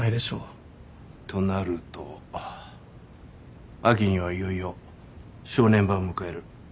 となると秋にはいよいよ正念場を迎える。